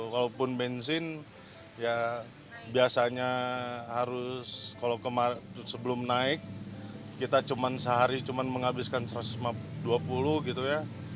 kalaupun bensin ya biasanya harus kalau sebelum naik kita cuma sehari cuma menghabiskan satu ratus dua puluh gitu ya